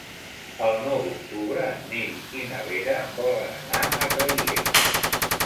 El nou d'octubre en Nil i na Vera volen anar a Traiguera.